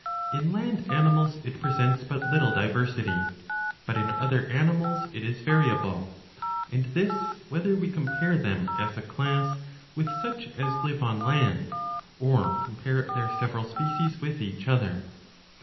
In land animals it presents but little diversity. But in other' animals it is variable, and this whether we compare them as a class with such as live on land, or compare their several species with each other.